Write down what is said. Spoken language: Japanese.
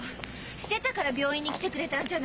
してたから病院に来てくれたんじゃない！